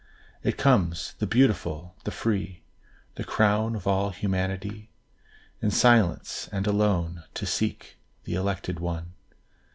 It comes, the beautiful, the free, The crown of all humanity, In silence and alone To seek the elected one.